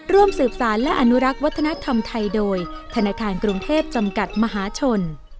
ร่วมสืบสารและอนุรักษ์วัฒนธรรมไทยโดยธนาคารกรุงเทพจำกัดมหาชน